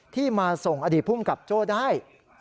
ที่มาส่งอดีตภูมิกับโจ้ได้